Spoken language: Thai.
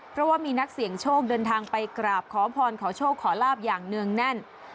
เพราะว่ามีนักเสี่ยงโชคเดินทางไปกราบขอพรขอโชคขอลาบอย่างเนื่องแน่น